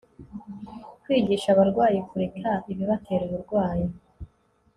kwigisha abarwayi kureka ikibatera uburwayi